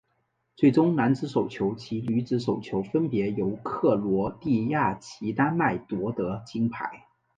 最终男子手球及女子手球分别由克罗地亚及丹麦夺得金牌。